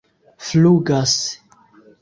flugas